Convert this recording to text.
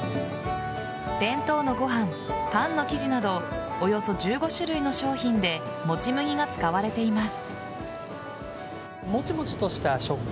弁当のご飯、パンの生地などおよそ１５種類の商品でもち麦が使われています。